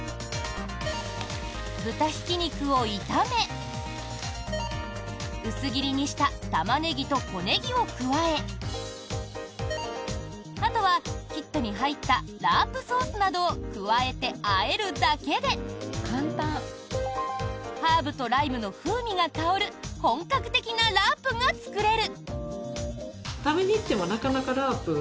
豚ひき肉を炒め薄切りにしたタマネギとコネギを加えあとはキットに入ったラープソースなどを加えてあえるだけでハーブとライムの風味が香る本格的なラープが作れる。